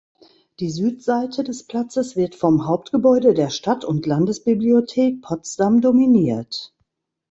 Die Südseite des Platzes wird vom Hauptgebäude der Stadt- und Landesbibliothek Potsdam dominiert.